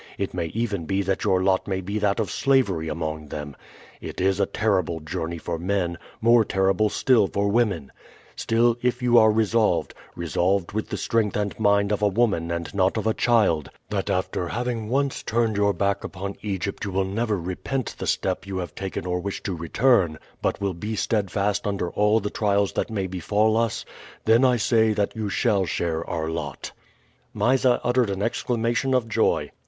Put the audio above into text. It may even be that your lot may be that of slavery among them. It is a terrible journey for men, more terrible still for women; still, if you are resolved, resolved with the strength and mind of a woman and not of a child, that after having once turned your back upon Egypt you will never repent the step you have taken or wish to return, but will be steadfast under all the trials that may befall us, then I say that you shall share our lot." Mysa uttered an exclamation of joy.